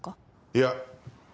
いや。